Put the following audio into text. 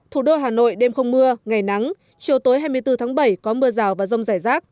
thủ đô hà nội đêm không mưa ngày nắng chiều tối hai mươi bốn tháng bảy có mưa rào và rông rải rác